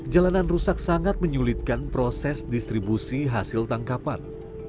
jalanan rusak sangat menyulitkan proses distribusi hasil tangkapan